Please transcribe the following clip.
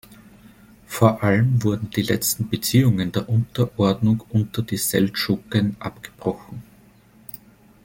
Vor allem wurden die letzten Beziehungen der Unterordnung unter die Seldschuken abgebrochen.